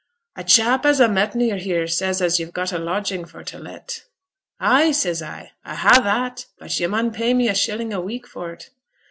"A chap as a met near here says as yo've a lodging for t' let." "Ay," says a, "a ha' that; but yo' mun pay me a shilling a week for 't."